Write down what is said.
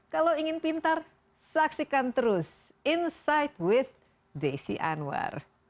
kalau ingin pintar saksikan terus insight with desi anwar